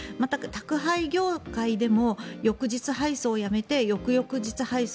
宅配業界でも翌日配送をやめて翌々日配送